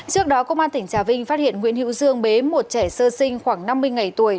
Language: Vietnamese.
trước đó công an tỉnh trà vinh phát hiện nguyễn hữu dương bế một trẻ sơ sinh khoảng năm mươi ngày tuổi